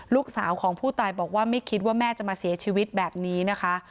ลูกสาวของผู้ตายบอกว่าไม่คิดว่าแม่จะมาเสียชีวิตแบบนี้นะคะ